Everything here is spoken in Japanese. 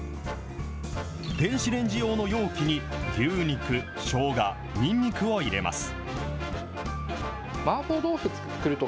電子レンジ用の容器に、牛肉、しょうが、ニンニクを入れます。